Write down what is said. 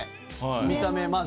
見た目、まず。